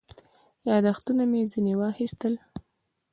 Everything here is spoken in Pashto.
یاداښتونه مې ځنې واخیستل.